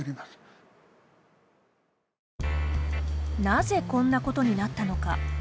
なぜこんなことになったのか。